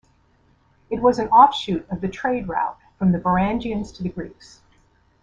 It was an offshoot of the trade route from the Varangians to the Greeks.